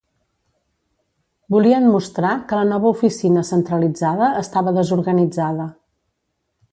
Volien mostrar que la nova oficina centralitzada estava desorganitzada.